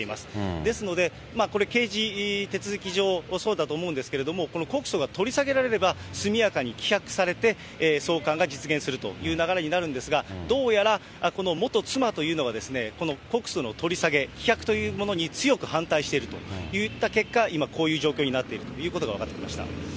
ですので、これ、刑事手続き上、そうだと思うんですけれども、この告訴が取り下げられれば、速やかに棄却されて、送還が実現するという流れになるんですが、どうやらこの元妻というのは、この告訴の取り下げ、棄却というものに強く反対しているといった結果、今、こういう状況になっているということが分かってきました。